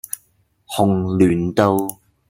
紅鸞道